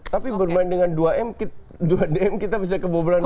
tapi bermain dengan dua dm kita bisa kebobolan dua puluh lawan sepuluh orang